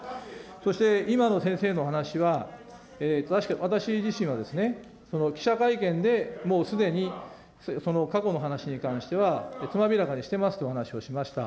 そして今の先生のお話は、私自身は、記者会見で、もうすでに過去の話に関してはつまびらかにしてますというお話をしました。